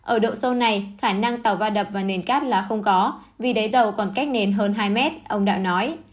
ở độ sâu này khả năng tàu va đập vào nền cắt là không có vì đáy tàu còn cách nền hơn hai m ông đạo nói